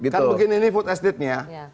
kan begini ini food estate nya